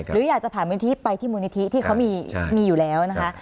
หรืออยากจะผ่านมูลนิธิไปที่มูลนิธิที่เขามีอยู่แล้วนะคะ